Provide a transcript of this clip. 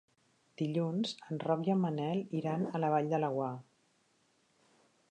Dilluns en Roc i en Manel iran a la Vall de Laguar.